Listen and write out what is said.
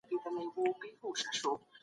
لیکوال وویل چي منطق د لیکوال ملا تړي.